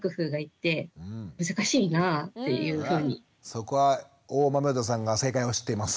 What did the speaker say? そこは大豆生田さんが正解を知っています。